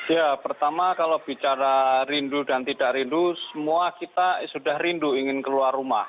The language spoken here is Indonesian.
ya pertama kalau bicara rindu dan tidak rindu semua kita sudah rindu ingin keluar rumah